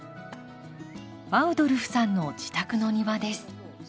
アウドルフさんの自宅の庭です。